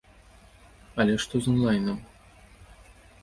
Але што з онлайнам?